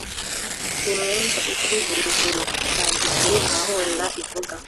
“Nimwumve uko Iyo iri hejuru cyane, ituye ahahoraho ivuga,